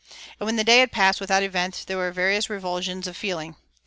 And when the day had passed without event there were various revulsions of feeling.